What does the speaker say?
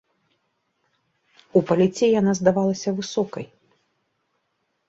У паліце яна здавалася высокай.